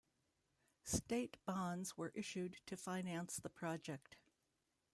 State bonds were issued to finance the project.